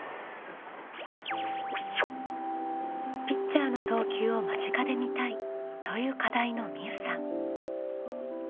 「ピッチャーの投球を間近で見たい」という課題のみうさん。